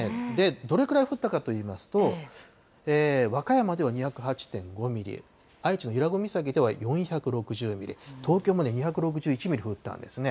どれくらい降ったかといいますと、和歌山では２０８．５ミリ、愛知の伊良湖岬では４６０ミリ、東京も２６１ミリ降ったんですね。